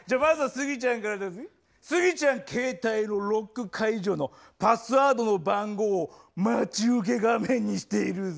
スギちゃん携帯のロック解除のパスワードの番号を待ち受け画面にしているぜぇ。